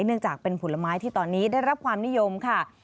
เนื่องจากเป็นผลไม้ที่ตอนนี้ได้รับความนิยมค่ะ